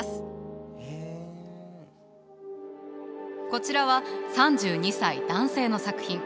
こちらは３２歳男性の作品。